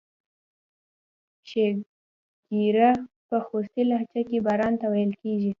شیګیره په خوستی لهجه کې باران ته ویل کیږي.